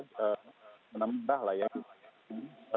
menambah lah ya